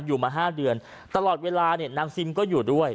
อยู่มา๕เดือนตลอดเวลาเนี่ยนางซิมก็อยู่ด้วย